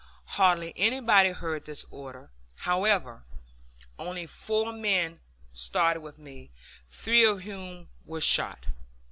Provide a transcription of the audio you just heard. Hardly anybody heard this order, however; only four men started with me, three of whom were shot.